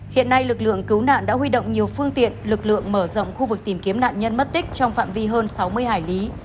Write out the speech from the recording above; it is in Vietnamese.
hiện nay lực lượng cứu nạn đã huy động nhiều phương tiện lực lượng mở rộng khu vực tìm kiếm nạn nhân mất tích trong phạm vi hơn sáu mươi hải lý